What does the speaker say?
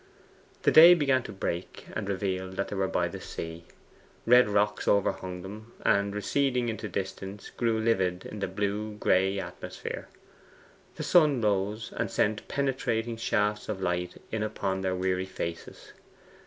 The day began to break, and revealed that they were by the sea. Red rocks overhung them, and, receding into distance, grew livid in the blue grey atmosphere. The sun rose, and sent penetrating shafts of light in upon their weary faces.